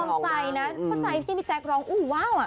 พอใจนะพอใจที่แจ็คร้องอูว้าวอ่ะ